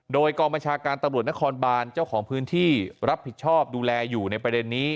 โดยกองบัญชาการตำรวจนครบานเจ้าของพื้นที่รับผิดชอบดูแลอยู่ในประเด็นนี้